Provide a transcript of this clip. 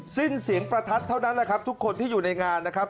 สิ้นเสียงประทัดเท่านั้นแหละครับทุกคนที่อยู่ในงานนะครับ